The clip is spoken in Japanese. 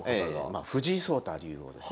まあ藤井聡太竜王ですね。